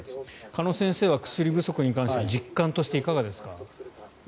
鹿野先生は薬不足に関しては実感はいかがですか。